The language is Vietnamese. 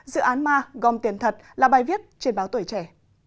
dự án ma gom tiền thật là bài viết trên báo tuổi trẻ